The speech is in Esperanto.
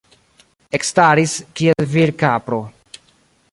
Ekstaris, kiel virkapro.